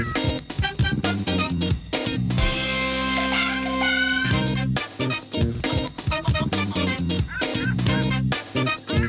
สวัสดีค่ะ